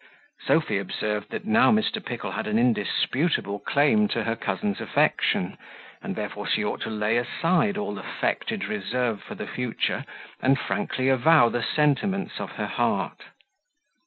Sophy observed that now Mr. Pickle had an indisputable claim to her cousin's affection; and therefore she ought to lay aside all affected reserve for the future, and frankly avow the sentiments of her heart.